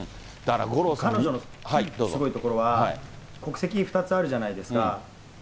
彼女のすごいところは、国籍２つあるじゃないですか。